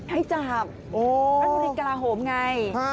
ให้จับอันนี้กระโหมไง